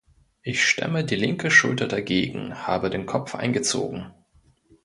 Ich stemme die linke Schulter dagegen, habe den Kopf eingezogen.